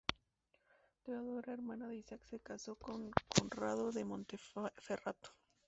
Teodora, hermana de Isaac, se casó con Conrado de Montferrato.